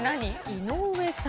井上さん。